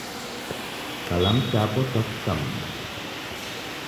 Kalamu chapo cha chika mdo.